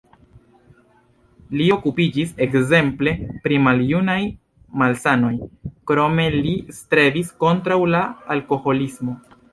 Li okupiĝis ekzemple pri maljunaj malsanoj, krome li strebis kontraŭ la alkoholismo.